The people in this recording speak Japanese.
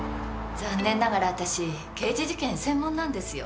残念ながら私刑事事件専門なんですよ。